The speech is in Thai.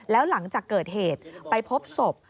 แล้วหลังจากเกิดเหตุไปพบศพ